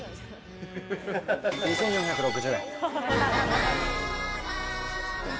２，４６０円？